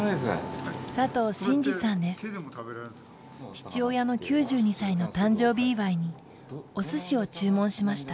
父親の９２歳の誕生日祝いにおすしを注文しました。